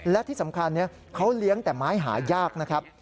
และที่สำคัญเขาเลี้ยงแต่ไม้หายากนะครับ